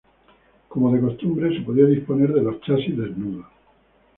Como de costumbre, se podía disponer de los chasis desnudos.